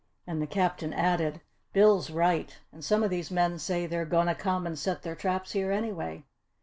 And the Captain added: "Bill's right; and some of these men say they're goin' to come and set their traps here anyway."